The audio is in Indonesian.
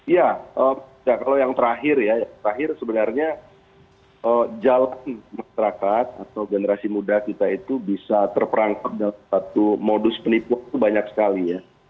ya kalau yang terakhir ya yang terakhir sebenarnya jalan masyarakat atau generasi muda kita itu bisa terperangkap dalam satu modus penipuan itu banyak sekali ya